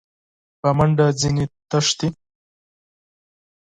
په منډه ځني تښتي !